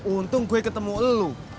untung gue ketemu elu